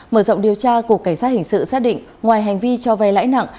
mở rộng điều tra cục cảnh sát hình sự xác định ngoài hành vi cho vay lãi nặng